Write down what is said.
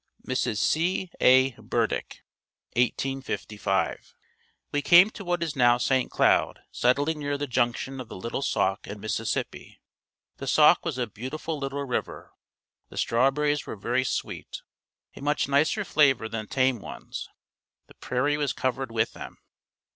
Mrs. C. A. Burdick 1855. We came to what is now St. Cloud settling near the junction of the Little Sauk and Mississippi. The Sauk was a beautiful little river. The strawberries were very sweet, a much nicer flavor than tame ones. The prairie was covered with them.